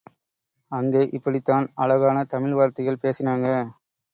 அங்கே இப்படித் தான் அழகான தமிழ் வார்த்தைகள் பேசினாங்க.